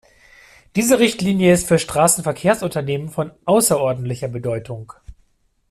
Diese Richtlinie ist für Straßenverkehrsunternehmen von außerordentlicher Bedeutung.